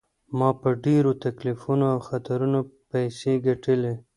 ما په ډیرو تکلیفونو او خطرونو پیسې ګټلي.